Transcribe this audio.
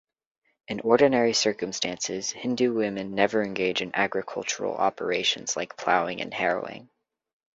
In ordinary circumstances Hindu women never engage in agricultural operations like ploughing and harrowing.